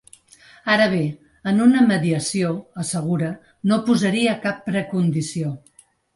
Ara bé, en una mediació, assegura, no posaria cap precondició.